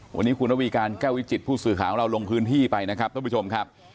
วันนี้คุณระวีการแก้ววิจิตผู้สื่อข่าวของเราลงพื้นที่ไปนะครับท่านผู้ชมครับ